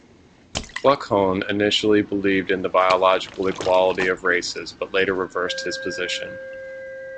Kluckhohn initially believed in the biological equality of races but later reversed his position.